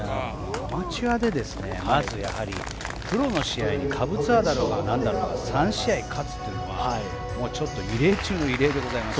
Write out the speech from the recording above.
アマチュアでまずやはり、プロの試合に下部ツアーだろうがなんだろうが３試合勝つというのはちょっと異例中の異例でございます。